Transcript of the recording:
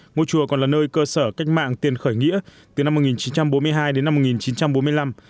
ngôi chùa còn là nơi cơ sở cách mạng tiền khởi nghĩa từ năm một nghìn chín trăm bốn mươi hai đến năm một nghìn chín trăm bốn mươi năm